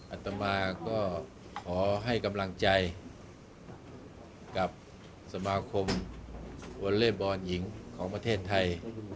อัตมาก็ขอให้กำลังใจกับสมาคมวอเล่บอลหญิงของประเทศไทย